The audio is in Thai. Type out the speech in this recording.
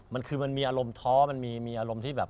มันคือมันมีอารมณ์ท้อมันมีอารมณ์ที่แบบ